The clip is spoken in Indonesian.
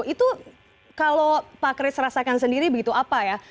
itu kalau pak kris rasakan sendiri begitu apa ya